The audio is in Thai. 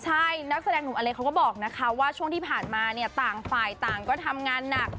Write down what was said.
ใช่นักแสดงหนุ่มอเล็กเขาก็บอกนะคะว่าช่วงที่ผ่านมาเนี่ยต่างฝ่ายต่างก็ทำงานหนัก